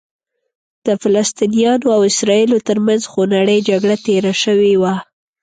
د فلسطینیانو او اسرائیلو ترمنځ خونړۍ جګړه تېره شوې وه.